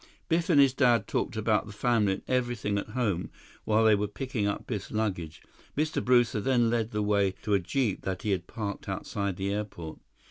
Biff and his dad talked about the family and everything at home while they were picking up Biff's luggage. Mr. Brewster then led the way to a jeep that he had parked outside the airport.